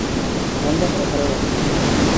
ধান্দা করে ভালো লাগলো।